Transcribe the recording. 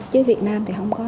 chứ việt nam thì không có